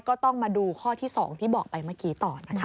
ก็ต้องมาดูข้อที่๒ที่บอกไปเมื่อกี้ต่อนะคะ